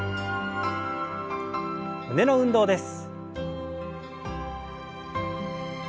胸の運動です。